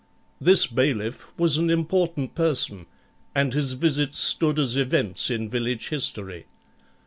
This bailiff was an important person, and his visits stood as events in village history.